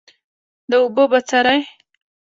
د اور بڅری